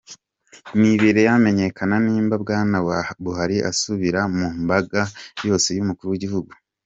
Ntibiramenyekana nimba Bwana Buhari azosubira mu mabanga yose y'umukuru w'igihugu.